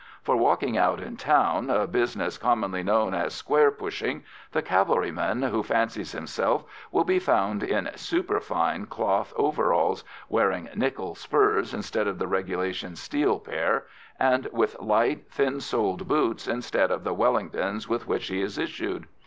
For walking out in town, a business commonly known as "square pushing," the cavalryman who fancies himself will be found in superfine cloth overalls, wearing nickel spurs instead of the regulation steel pair, and with light, thin soled boots instead of the Wellingtons with which he is issued.